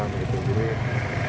dan cukup berjauhan